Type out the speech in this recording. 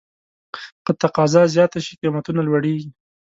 که تقاضا زیاته شي، قیمتونه لوړېږي.